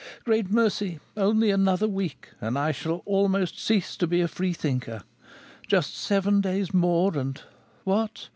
"Great mercy! Only another week and I shall almost cease to be a free thinker! Just seven days more and what!